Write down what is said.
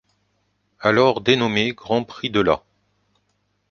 Alors dénommé Grand Prix de l'A.